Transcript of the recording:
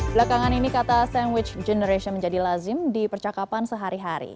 belakangan ini kata sandwich generation menjadi lazim di percakapan sehari hari